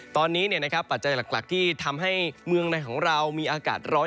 ตอนนี้ปัจจัยหลักที่ทำให้เมืองในของเรามีอากาศร้อน